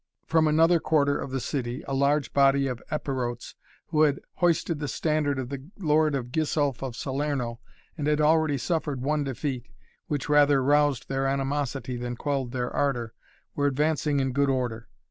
From another quarter of the city a large body of Epirotes, who had hoisted the standard of the Lord Gisulph of Salerno and had already suffered one defeat, which rather roused their animosity than quelled their ardor, were advancing in good order.